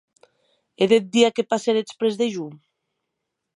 E deth dia que passéretz près de jo?